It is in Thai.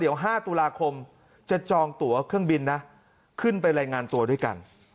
เดี๋ยว๕ตุลาคมจะจองตัวเครื่องบินนะ